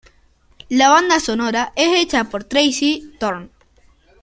La banda sonora es hecha por Tracey Thorn.